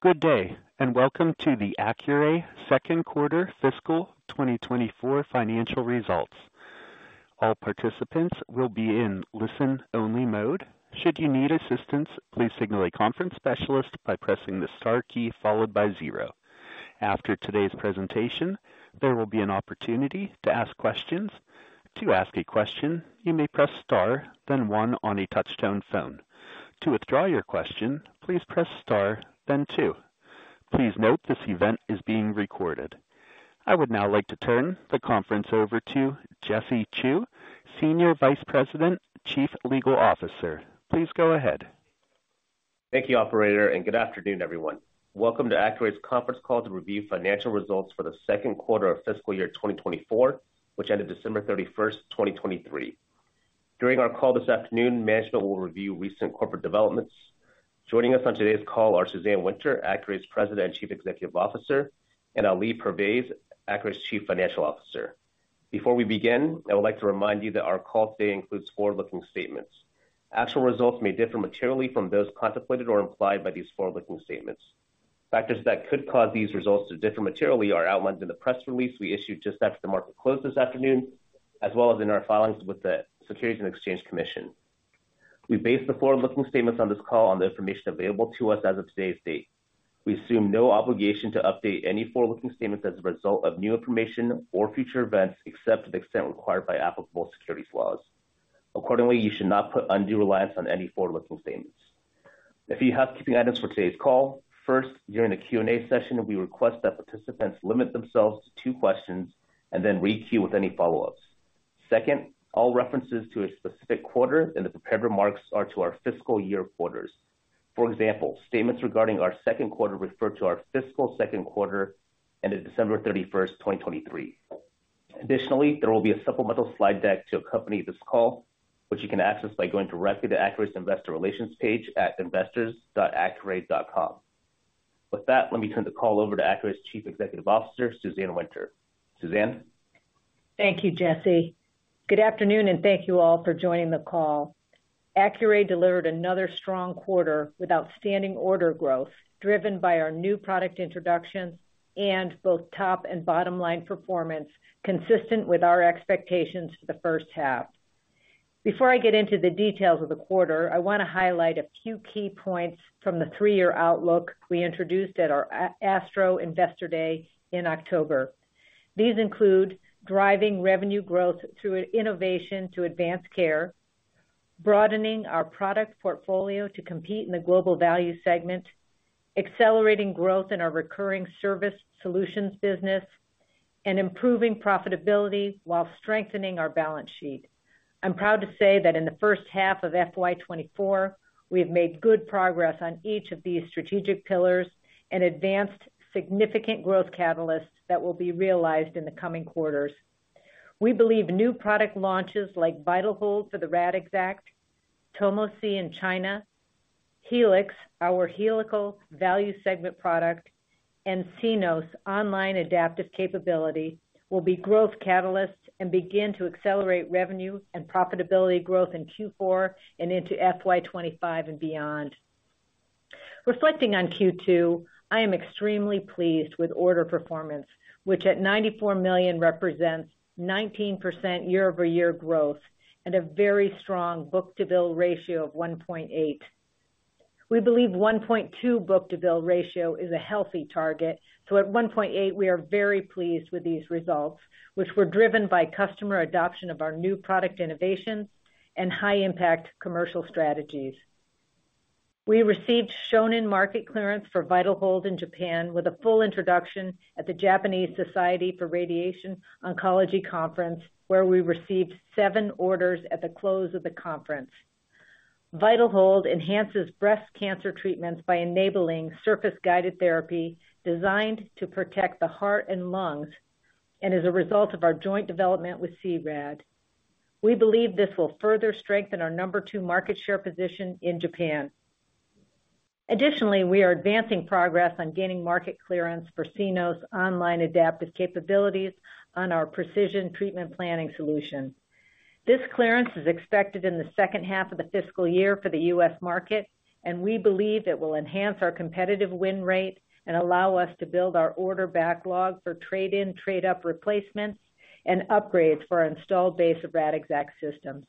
Good day, and welcome to the Accuray second quarter fiscal 2024 financial results. All participants will be in listen-only mode. Should you need assistance, please signal a conference specialist by pressing the star key followed by zero. After today's presentation, there will be an opportunity to ask questions. To ask a question, you may press Star, then one on a touchtone phone. To withdraw your question, please press Star, then two. Please note, this event is being recorded. I would now like to turn the conference over to Jesse Chew, Senior Vice President, Chief Legal Officer. Please go ahead. Thank you, operator, and good afternoon, everyone. Welcome to Accuray's conference call to review financial results for the second quarter of fiscal year 2024, which ended December 31, 2023. During our call this afternoon, management will review recent corporate developments. Joining us on today's call are Suzanne Winter, Accuray's President and Chief Executive Officer, and Ali Pervaiz, Accuray's Chief Financial Officer. Before we begin, I would like to remind you that our call today includes forward-looking statements. Actual results may differ materially from those contemplated or implied by these forward-looking statements. Factors that could cause these results to differ materially are outlined in the press release we issued just after the market closed this afternoon, as well as in our filings with the Securities and Exchange Commission. We base the forward-looking statements on this call on the information available to us as of today's date. We assume no obligation to update any forward-looking statements as a result of new information or future events, except to the extent required by applicable securities laws. Accordingly, you should not put undue reliance on any forward-looking statements. A few housekeeping items for today's call. First, during the Q&A session, we request that participants limit themselves to two questions and then requeue with any follow-ups. Second, all references to a specific quarter in the prepared remarks are to our fiscal year quarters. For example, statements regarding our second quarter refer to our fiscal second quarter ending December thirty-first, 2023. Additionally, there will be a supplemental slide deck to accompany this call, which you can access by going directly to Accuray's Investor Relations page at investors.accuray.com. With that, let me turn the call over to Accuray's Chief Executive Officer, Suzanne Winter. Suzanne? Thank you, Jesse. Good afternoon, and thank you all for joining the call. Accuray delivered another strong quarter with outstanding order growth, driven by our new product introductions and both top and bottom-line performance, consistent with our expectations for the first half. Before I get into the details of the quarter, I want to highlight a few key points from the three-year outlook we introduced at our Accuray Investor Day in October. These include driving revenue growth through innovation to advanced care, broadening our product portfolio to compete in the global value segment, accelerating growth in our recurring service solutions business, and improving profitability while strengthening our balance sheet. I'm proud to say that in the first half of FY 2024, we have made good progress on each of these strategic pillars and advanced significant growth catalysts that will be realized in the coming quarters. We believe new product launches like VitalHold for the Radixact, Tomo C in China, Helix, our helical value segment product, and Cenos online adaptive capability, will be growth catalysts and begin to accelerate revenue and profitability growth in Q4 and into FY 2025 and beyond. Reflecting on Q2, I am extremely pleased with order performance, which at $94 million represents 19% year-over-year growth and a very strong book-to-bill ratio of 1.8. We believe 1.2 book-to-bill ratio is a healthy target, so at 1.8, we are very pleased with these results, which were driven by customer adoption of our new product innovations and high-impact commercial strategies. We received Shonin market clearance for VitalHold in Japan, with a full introduction at the Japanese Society for Radiation Oncology Conference, where we received seven orders at the close of the conference. VitalHold enhances breast cancer treatments by enabling surface-guided therapy designed to protect the heart and lungs and is a result of our joint development with C-RAD. We believe this will further strengthen our number two market share position in Japan. Additionally, we are advancing progress on gaining market clearance for Cenos' online adaptive capabilities on our Precision treatment planning solution. This clearance is expected in the second half of the fiscal year for the U.S. market, and we believe it will enhance our competitive win rate and allow us to build our order backlog for trade-in, trade-up replacements and upgrades for our installed base of Radixact systems.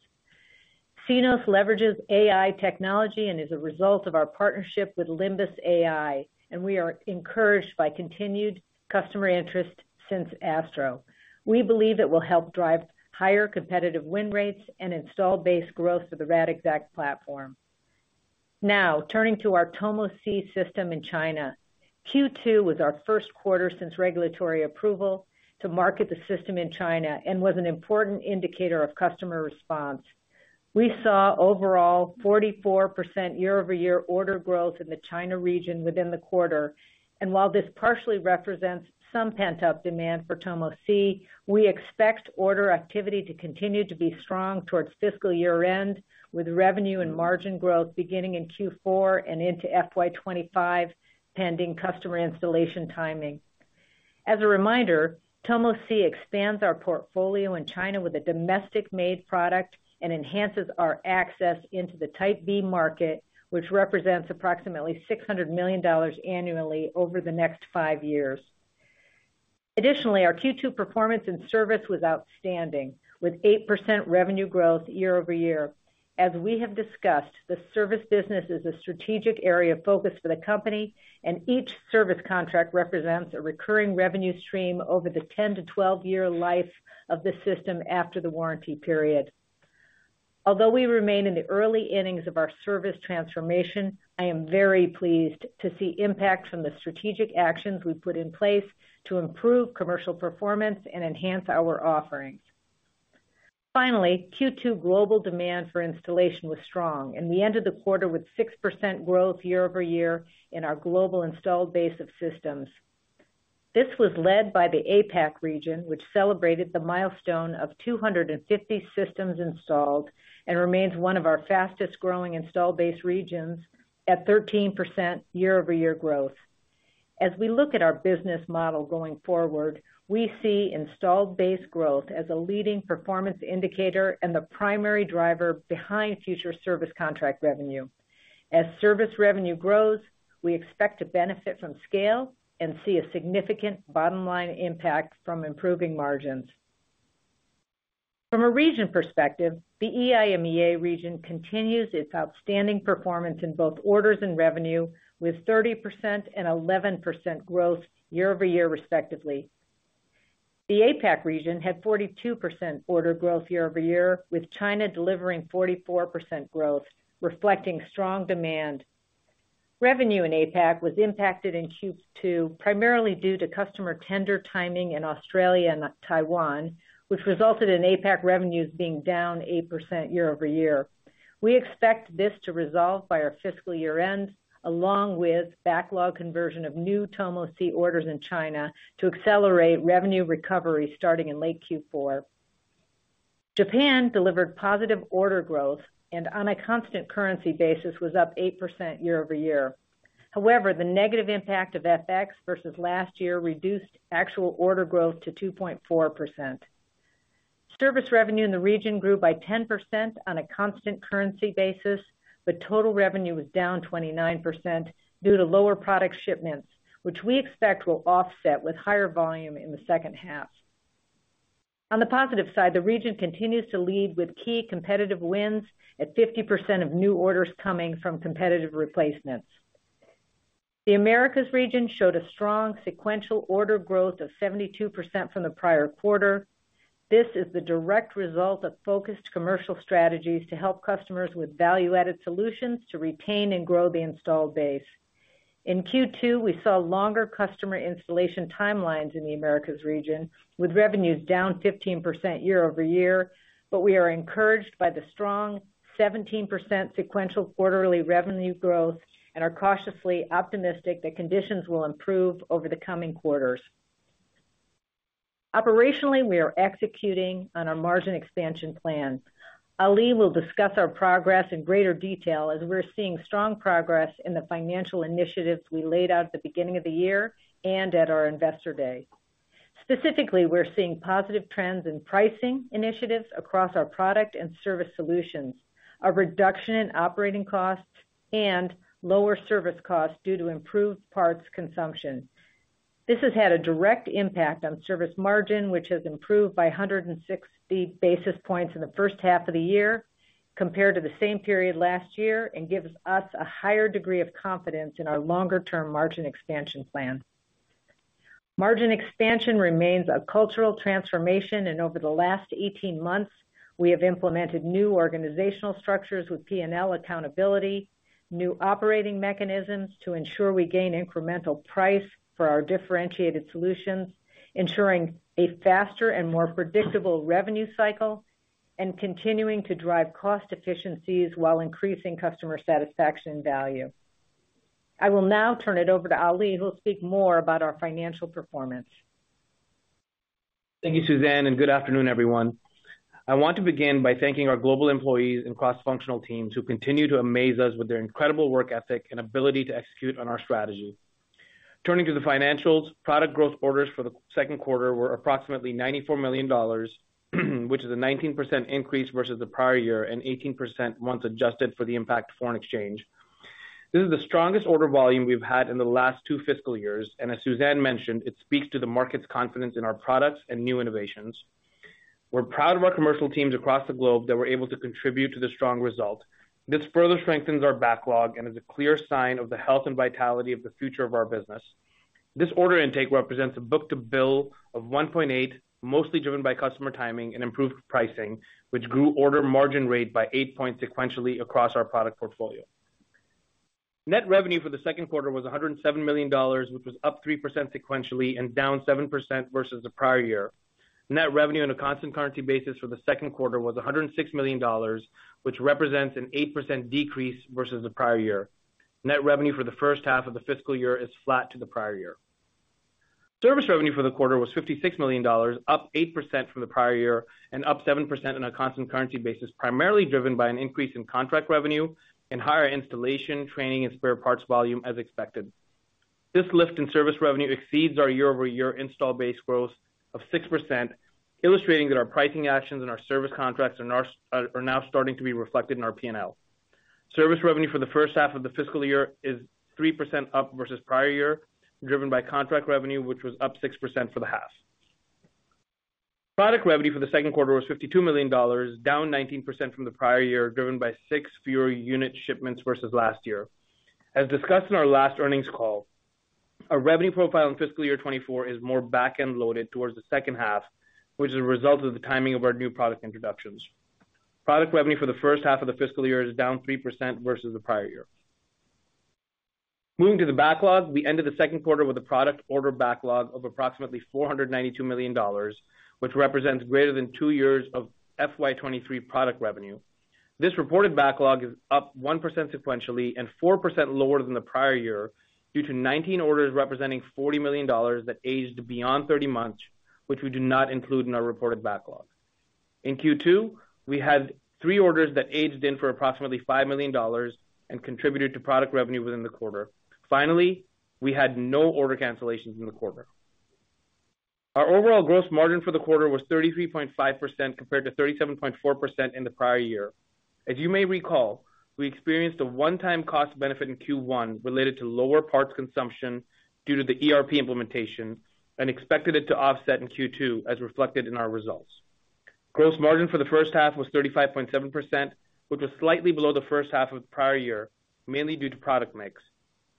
Cenos leverages AI technology and is a result of our partnership with Limbus AI, and we are encouraged by continued customer interest since ASTRO. We believe it will help drive higher competitive win rates and install base growth of the Radixact platform. Now, turning to our Tomo C system in China. Q2 was our first quarter since regulatory approval to market the system in China and was an important indicator of customer response. We saw overall 44% year-over-year order growth in the China region within the quarter, and while this partially represents some pent-up demand for Tomo C, we expect order activity to continue to be strong towards fiscal year-end, with revenue and margin growth beginning in Q4 and into FY 2025, pending customer installation timing. As a reminder, Tomo C expands our portfolio in China with a domestic-made product and enhances our access into the Type B market, which represents approximately $600 million annually over the next five years. Additionally, our Q2 performance and service was outstanding, with 8% revenue growth year-over-year. As we have discussed, the service business is a strategic area of focus for the company, and each service contract represents a recurring revenue stream over the 10-12-year life of the system after the warranty period. Although we remain in the early innings of our service transformation, I am very pleased to see impacts from the strategic actions we've put in place to improve commercial performance and enhance our offerings. Finally, Q2 global demand for installation was strong, and we ended the quarter with 6% growth year-over-year in our global installed base of systems. This was led by the APAC region, which celebrated the milestone of 250 systems installed and remains one of our fastest growing installed base regions at 13% year-over-year growth. As we look at our business model going forward, we see installed base growth as a leading performance indicator and the primary driver behind future service contract revenue. As service revenue grows, we expect to benefit from scale and see a significant bottom line impact from improving margins. From a region perspective, the EIMEA region continues its outstanding performance in both orders and revenue, with 30% and 11% growth year-over-year, respectively. The APAC region had 42% order growth year-over-year, with China delivering 44% growth, reflecting strong demand. Revenue in APAC was impacted in Q2, primarily due to customer tender timing in Australia and Taiwan, which resulted in APAC revenues being down 8% year-over-year. We expect this to resolve by our fiscal year-end, along with backlog conversion of new Tomo C orders in China to accelerate revenue recovery starting in late Q4. Japan delivered positive order growth and on a constant currency basis, was up 8% year-over-year. However, the negative impact of FX versus last year reduced actual order growth to 2.4%. Service revenue in the region grew by 10% on a constant currency basis, but total revenue was down 29% due to lower product shipments, which we expect will offset with higher volume in the second half. On the positive side, the region continues to lead with key competitive wins at 50% of new orders coming from competitive replacements. The Americas region showed a strong sequential order growth of 72% from the prior quarter. This is the direct result of focused commercial strategies to help customers with value-added solutions to retain and grow the installed base. In Q2, we saw longer customer installation timelines in the Americas region, with revenues down 15% year-over-year. But we are encouraged by the strong 17% sequential quarterly revenue growth and are cautiously optimistic that conditions will improve over the coming quarters. Operationally, we are executing on our margin expansion plan. Ali will discuss our progress in greater detail as we're seeing strong progress in the financial initiatives we laid out at the beginning of the year and at our Investor Day. Specifically, we're seeing positive trends in pricing initiatives across our product and service solutions, a reduction in operating costs, and lower service costs due to improved parts consumption. This has had a direct impact on service margin, which has improved by 160 basis points in the first half of the year compared to the same period last year, and gives us a higher degree of confidence in our longer-term margin expansion plan. Margin expansion remains a cultural transformation, and over the last 18 months, we have implemented new organizational structures with P&L accountability, new operating mechanisms to ensure we gain incremental price for our differentiated solutions, ensuring a faster and more predictable revenue cycle, and continuing to drive cost efficiencies while increasing customer satisfaction and value. I will now turn it over to Ali, who will speak more about our financial performance. Thank you, Suzanne, and good afternoon, everyone. I want to begin by thanking our global employees and cross-functional teams who continue to amaze us with their incredible work ethic and ability to execute on our strategy. Turning to the financials, product growth orders for the second quarter were approximately $94 million, which is a 19% increase versus the prior year and 18% once adjusted for the impact of foreign exchange. This is the strongest order volume we've had in the last two fiscal years, and as Suzanne mentioned, it speaks to the market's confidence in our products and new innovations. We're proud of our commercial teams across the globe that were able to contribute to the strong result. This further strengthens our backlog and is a clear sign of the health and vitality of the future of our business. This order intake represents a book-to-bill of 1.8, mostly driven by customer timing and improved pricing, which grew order margin rate by eight points sequentially across our product portfolio. Net revenue for the second quarter was $107 million, which was up 3% sequentially and down 7% versus the prior year. Net revenue on a constant-currency basis for the second quarter was $106 million, which represents an 8% decrease versus the prior year. Net revenue for the first half of the fiscal year is flat to the prior year. Service revenue for the quarter was $56 million, up 8% from the prior year and up 7% on a constant-currency basis, primarily driven by an increase in contract revenue and higher installation, training, and spare parts volume as expected. This lift in service revenue exceeds our year-over-year install base growth of 6%, illustrating that our pricing actions and our service contracts are now starting to be reflected in our P&L. Service revenue for the first half of the fiscal year is 3% up versus prior year, driven by contract revenue, which was up 6% for the half. Product revenue for the second quarter was $52 million, down 19% from the prior year, driven by 6 fewer unit shipments versus last year. As discussed in our last earnings call, our revenue profile in fiscal year 2024 is more back-end loaded towards the second half, which is a result of the timing of our new product introductions. Product revenue for the first half of the fiscal year is down 3% versus the prior year. Moving to the backlog, we ended the second quarter with a product order backlog of approximately $492 million, which represents greater than two years of FY 2023 product revenue. This reported backlog is up 1% sequentially and 4% lower than the prior year, due to 19 orders representing $40 million that aged beyond 30 months, which we do not include in our reported backlog. In Q2, we had 3 orders that aged in for approximately $5 million and contributed to product revenue within the quarter. Finally, we had no order cancellations in the quarter. Our overall gross margin for the quarter was 33.5%, compared to 37.4% in the prior year. As you may recall, we experienced a one-time cost benefit in Q1 related to lower parts consumption due to the ERP implementation and expected it to offset in Q2, as reflected in our results. Gross margin for the first half was 35.7%, which was slightly below the first half of the prior year, mainly due to product mix.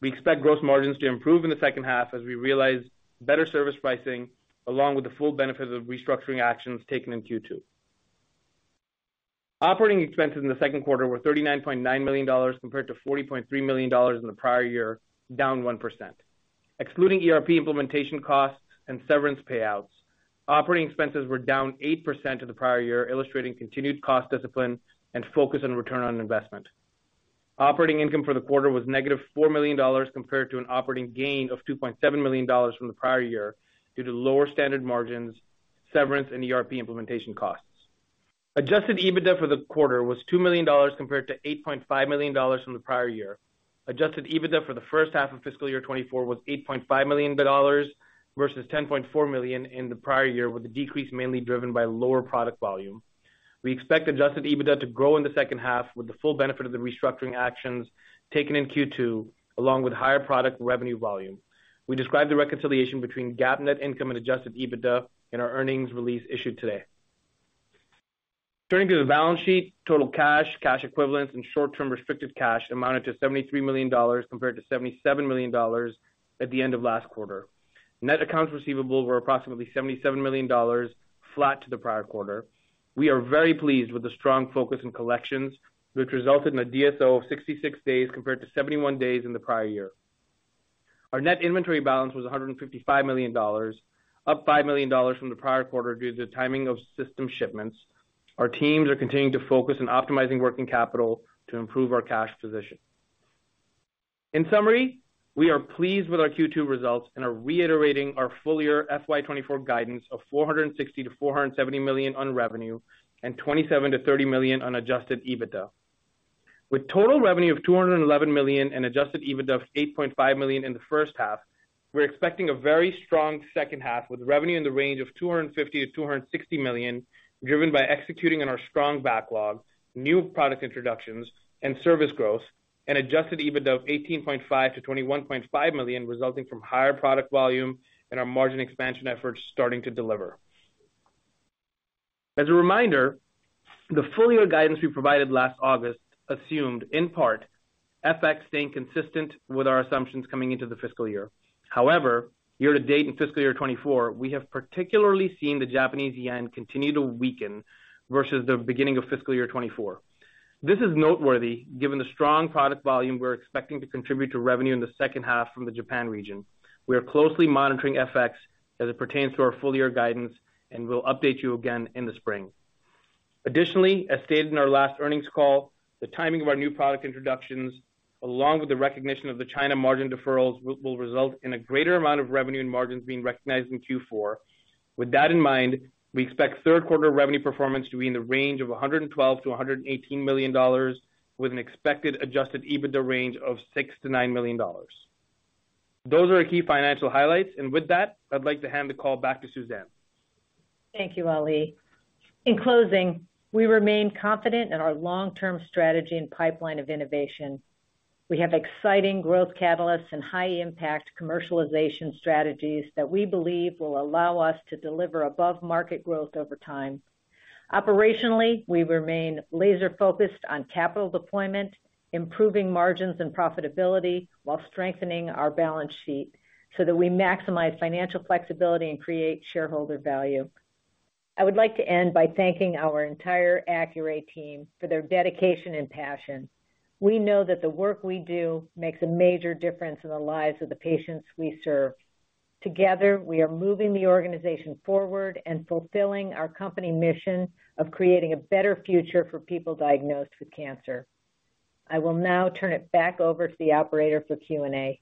We expect gross margins to improve in the second half as we realize better service pricing, along with the full benefits of restructuring actions taken in Q2. Operating expenses in the second quarter were $39.9 million, compared to $40.3 million in the prior year, down 1%. Excluding ERP implementation costs and severance payouts, operating expenses were down 8% to the prior year, illustrating continued cost discipline and focus on return on investment. Operating income for the quarter was negative $4 million, compared to an operating gain of $2.7 million from the prior year, due to lower standard margins, severance, and ERP implementation costs. Adjusted EBITDA for the quarter was $2 million, compared to $8.5 million from the prior year. Adjusted EBITDA for the first half of fiscal year 2024 was $8.5 million, versus $10.4 million in the prior year, with the decrease mainly driven by lower product volume. We expect adjusted EBITDA to grow in the second half, with the full benefit of the restructuring actions taken in Q2, along with higher product revenue volume. We describe the reconciliation between GAAP net income and adjusted EBITDA in our earnings release issued today. Turning to the balance sheet, total cash, cash equivalents, and short-term restricted cash amounted to $73 million, compared to $77 million at the end of last quarter. Net accounts receivable were approximately $77 million, flat to the prior quarter. We are very pleased with the strong focus in collections, which resulted in a DSO of 66 days compared to 71 days in the prior year. Our net inventory balance was $155 million, up $5 million from the prior quarter due to the timing of system shipments. Our teams are continuing to focus on optimizing working capital to improve our cash position. In summary, we are pleased with our Q2 results and are reiterating our full-year FY 2024 guidance of $460 million-$470 million on revenue and $27 million-$30 million on Adjusted EBITDA. With total revenue of $211 million and adjusted EBITDA of $8.5 million in the first half, we're expecting a very strong second half, with revenue in the range of $250 million-$260 million, driven by executing on our strong backlog, new product introductions, and service growth, and adjusted EBITDA of $18.5 million-$21.5 million, resulting from higher product volume and our margin expansion efforts starting to deliver. As a reminder, the full-year guidance we provided last August assumed, in part, FX staying consistent with our assumptions coming into the fiscal year. However, year-to-date in fiscal year 2024, we have particularly seen the Japanese yen continue to weaken versus the beginning of fiscal year 2024. This is noteworthy, given the strong product volume we're expecting to contribute to revenue in the second half from the Japan region. We are closely monitoring FX as it pertains to our full-year guidance, and we'll update you again in the spring. Additionally, as stated in our last earnings call, the timing of our new product introductions, along with the recognition of the China margin deferrals, will result in a greater amount of revenue and margins being recognized in Q4. With that in mind, we expect third quarter revenue performance to be in the range of $112 million-$118 million, with an expected adjusted EBITDA range of $6 million-$9 million. Those are the key financial highlights, and with that, I'd like to hand the call back to Suzanne. Thank you, Ali. In closing, we remain confident in our long-term strategy and pipeline of innovation. We have exciting growth catalysts and high-impact commercialization strategies that we believe will allow us to deliver above-market growth over time. Operationally, we remain laser-focused on capital deployment, improving margins and profitability, while strengthening our balance sheet, so that we maximize financial flexibility and create shareholder value. I would like to end by thanking our entire Accuray team for their dedication and passion. We know that the work we do makes a major difference in the lives of the patients we serve. Together, we are moving the organization forward and fulfilling our company mission of creating a better future for people diagnosed with cancer. I will now turn it back over to the operator for Q&A.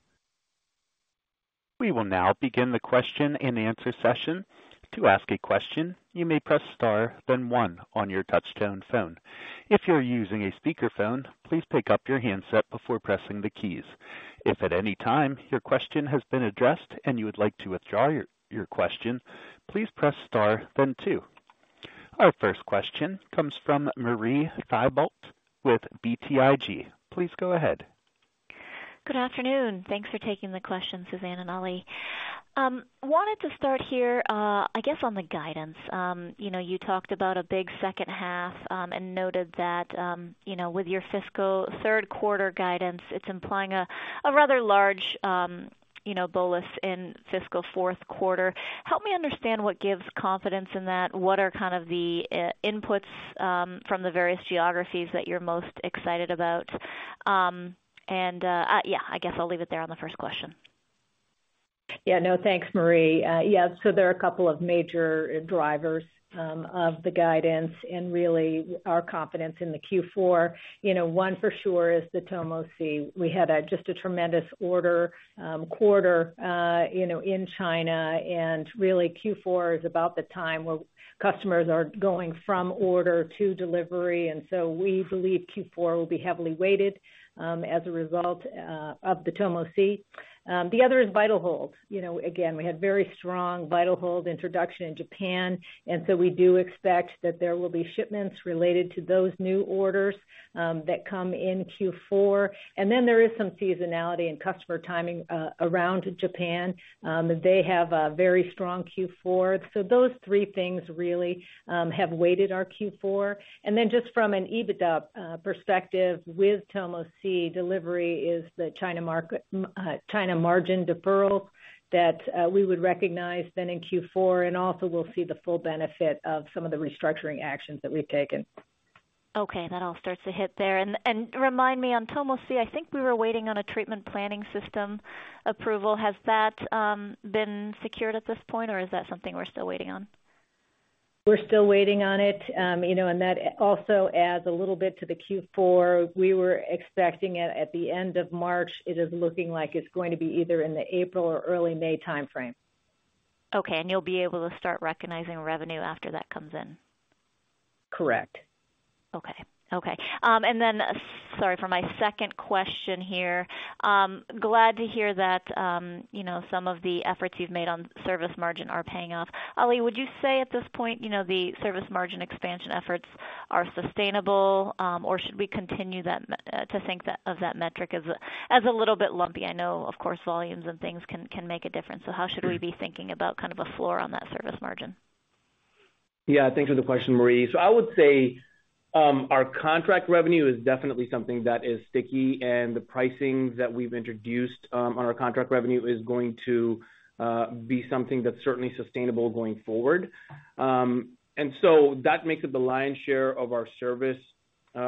We will now begin the question-and-answer session. To ask a question, you may press star, then one on your touchtone phone. If you're using a speakerphone, please pick up your handset before pressing the keys. If at any time your question has been addressed and you would like to withdraw your question, please press star, then two. Our first question comes from Marie Thibault with BTIG. Please go ahead. Good afternoon. Thanks for taking the question, Suzanne and Ali. Wanted to start here, I guess on the guidance. You know, you talked about a big second half, and noted that, you know, with your fiscal third quarter guidance, it's implying a, a rather large, you know, bolus in fiscal fourth quarter. Help me understand what gives confidence in that. What are kind of the, inputs, from the various geographies that you're most excited about? And, yeah, I guess I'll leave it there on the first question. Yeah. No, thanks, Marie. Yeah, so there are a couple of major drivers of the guidance and really our confidence in the Q4. You know, one for sure is the Tomo C. We had just a tremendous order quarter, you know, in China, and really, Q4 is about the time where customers are going from order to delivery, and so we believe Q4 will be heavily weighted as a result of the Tomo C. The other is VitalHold. You know, again, we had very strong VitalHold introduction in Japan, and so we do expect that there will be shipments related to those new orders that come in Q4. And then there is some seasonality and customer timing around Japan. They have a very strong Q4. So those three things really have weighted our Q4. And then just from an EBITDA perspective, with Tomo C delivery is the China market, China margin deferral that we would recognize then in Q4. And also we'll see the full benefit of some of the restructuring actions that we've taken. Okay, that all starts to hit there. And remind me on Tomo C. I think we were waiting on a treatment planning system approval. Has that been secured at this point, or is that something we're still waiting on? We're still waiting on it. You know, and that also adds a little bit to the Q4. We were expecting it at the end of March. It is looking like it's going to be either in the April or early May timeframe. Okay, and you'll be able to start recognizing revenue after that comes in? Correct. Okay. Okay, and then, sorry for my second question here. Glad to hear that, you know, some of the efforts you've made on service margin are paying off. Ali, would you say at this point, you know, the service margin expansion efforts are sustainable, or should we continue to think of that metric as a little bit lumpy? I know, of course, volumes and things can make a difference. So how should we be thinking about kind of a floor on that service margin? Yeah, thanks for the question, Marie. So I would say, our contract revenue is definitely something that is sticky, and the pricing that we've introduced, on our contract revenue is going to, be something that's certainly sustainable going forward. And so that makes it the lion's share of our service,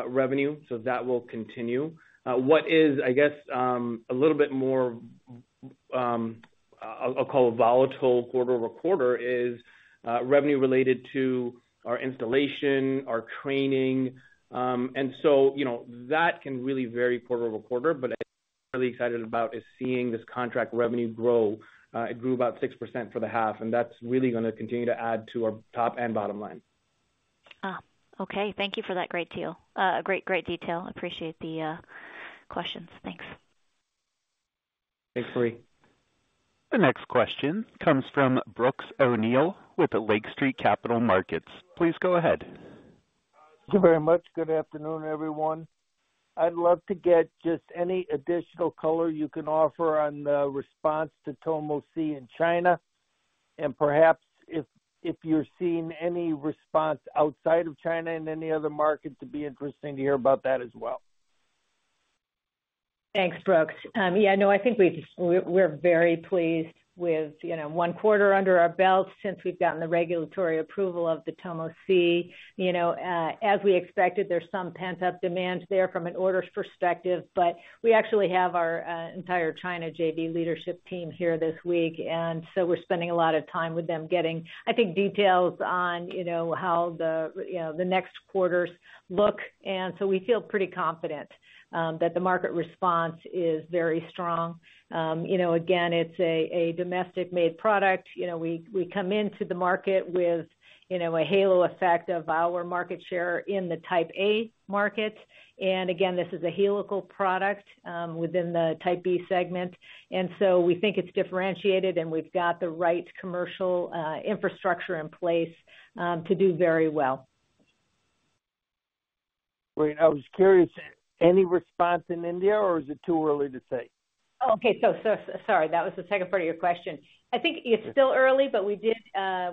revenue, so that will continue. What is, I guess, a little bit more, I'll call it volatile quarter-over-quarter, is, revenue related to our installation, our training. And so, you know, that can really vary quarter-over-quarter, but really excited about is seeing this contract revenue grow. It grew about 6% for the half, and that's really gonna continue to add to our top and bottom line. Ah, okay. Thank you for that great, great detail. Appreciate the questions. Thanks. Thanks, Marie. The next question comes from Brooks O'Neil with Lake Street Capital Markets. Please go ahead. Thank you very much. Good afternoon, everyone. I'd love to get just any additional color you can offer on the response to Tomo C in China, and perhaps if, if you're seeing any response outside of China in any other market, it'd be interesting to hear about that as well. Thanks, Brooks. Yeah, no, I think we've. We're, we're very pleased with, you know, one quarter under our belt since we've gotten the regulatory approval of the Tomo C. You know, as we expected, there's some pent-up demand there from an orders perspective, but we actually have our, entire China JV leadership team here this week, and so we're spending a lot of time with them, getting, I think, details on, you know, how the, you know, the next quarters look. And so we feel pretty confident, that the market response is very strong. You know, again, it's a, a domestic-made product. You know, we, we come into the market with, you know, a halo effect of our market share in the Type A market. And again, this is a helical product within the Type B segment, and so we think it's differentiated, and we've got the right commercial infrastructure in place to do very well. Great. I was curious, any response in India, or is it too early to say? Okay, so sorry, that was the second part of your question. I think it's still early, but we did,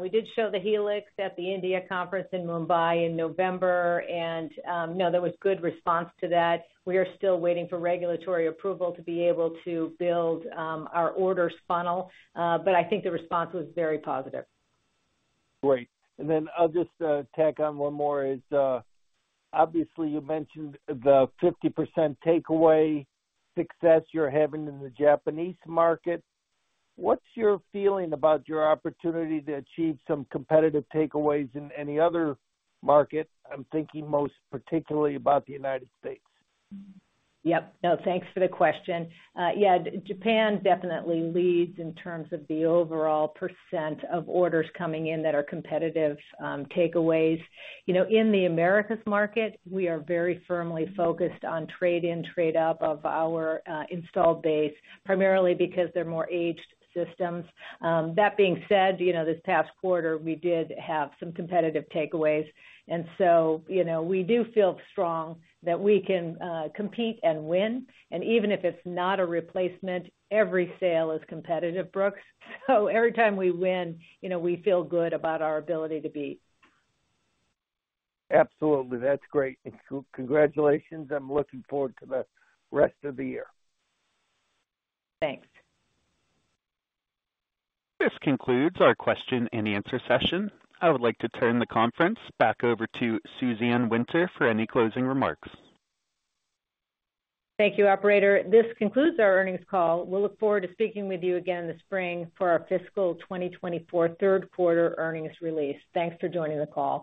we did show the Helix at the India conference in Mumbai in November, and no, there was good response to that. We are still waiting for regulatory approval to be able to build our orders funnel, but I think the response was very positive. Great. And then I'll just tack on one more is obviously, you mentioned the 50% takeaway success you're having in the Japanese market. What's your feeling about your opportunity to achieve some competitive takeaways in any other market? I'm thinking most particularly about the United States. Yep. No, thanks for the question. Yeah, Japan definitely leads in terms of the overall % of orders coming in that are competitive takeaways. You know, in the Americas market, we are very firmly focused on trade-in, trade-up of our installed base, primarily because they're more aged systems. That being said, you know, this past quarter, we did have some competitive takeaways, and so, you know, we do feel strong that we can compete and win. And even if it's not a replacement, every sale is competitive, Brooks. So every time we win, you know, we feel good about our ability to beat. Absolutely. That's great. Congratulations. I'm looking forward to the rest of the year. Thanks. This concludes our question-and-answer session. I would like to turn the conference back over to Suzanne Winter for any closing remarks. Thank you, operator. This concludes our earnings call. We'll look forward to speaking with you again in the spring for our fiscal 2024 third quarter earnings release. Thanks for joining the call.